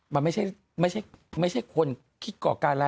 มันไม่ใช่คนคิดก่อการร้าย